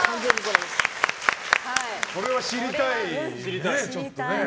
これは知りたいですね。